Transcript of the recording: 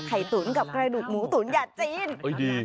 ไข่ตุ๋นกับไก่ดูดหมูตุ๋นหยาดจีน